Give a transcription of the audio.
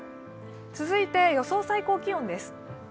続いて予想最高気温です。